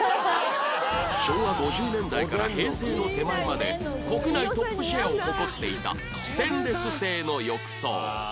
昭和５０年代から平成の手前まで国内トップシェアを誇っていたステンレス製の浴槽